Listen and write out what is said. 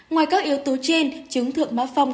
ngoài các yếu tố trên chứng thượng má phong